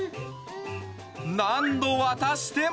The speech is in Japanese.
何度渡しても。